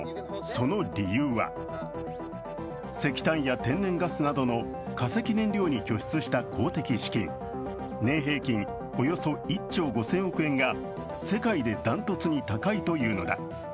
その理由は石炭や天然ガスなどの化石燃料に拠出した公的資金、年平均およそ１兆５０００億円が世界で断トツに高いというのだ。